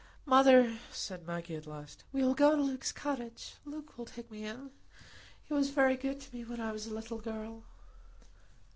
"Mother," said Maggie, at last, "we will go to Luke's cottage. Luke will take me in. He was very good to me when I was a little girl."